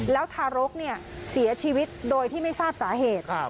แล้วทารกเสียชีวิตโดยที่ไม่ทราบสาเหตุ